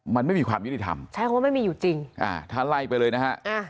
มันไม่มีความยุติธรรมใช้คำว่าไม่มีอยู่จริงอ่าถ้าไล่ไปเลยนะฮะ